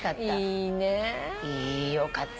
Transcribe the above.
いいね。よかった。